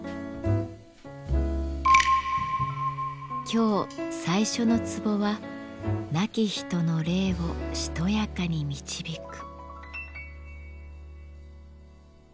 今日最初の壺は「亡き人の霊をしとやかに導く」。